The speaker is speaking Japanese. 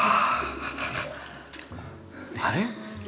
あれ？